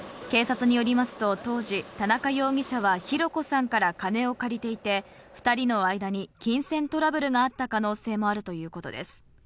警察によりますと、当時、田中容疑者は弘子さんから金を借りていて、２人の間に金銭トラブルがあった可能性もあるということです。